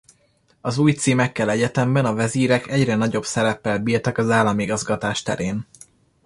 Az új címekkel egyetemben a vezírek egyre nagyobb szereppel bírtak az államigazgatás terén.